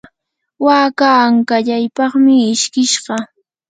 waka ankallaypam ishkishqa.